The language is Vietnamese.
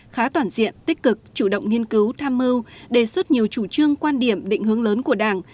khá toàn diện tích cực chủ động nghiên cứu tham mưu đề xuất nhiều chủ trương quan điểm định hướng lớn của đảng